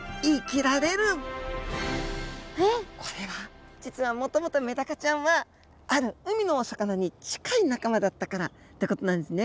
これは実はもともとメダカちゃんはある海のお魚に近い仲間だったからってことなんですね。